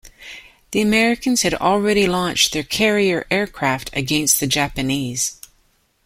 The Americans had already launched their carrier aircraft against the Japanese.